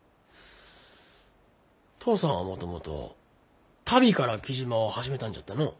父さんはもともと足袋から雉真を始めたんじゃったのう？